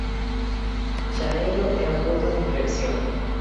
Xaneiro é un punto de inflexión.